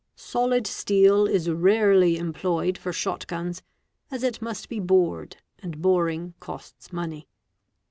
Solid steel is rarely employed for shot guns, as it must be bored and boring costs money.